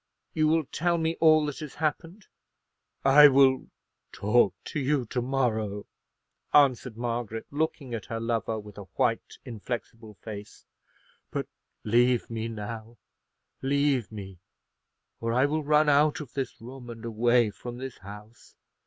"You will tell me all that has happened?" "I will talk to you to morrow," answered Margaret, looking at her lover with a white, inflexible face; "but leave me now; leave me, or I will run out of this room, and away from this house.